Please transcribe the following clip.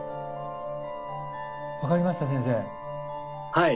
はい。